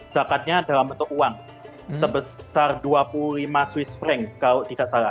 zakatnya dalam bentuk uang sebesar dua puluh lima swiss frank kalau tidak salah